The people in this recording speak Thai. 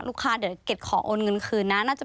ลูกค้าเดี๋ยวเกดขอโอนเงินคืนน่า